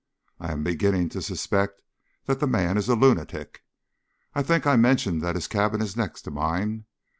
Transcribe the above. I am beginning to suspect that the man is a lunatic. I think I mentioned that his cabin is next to mine.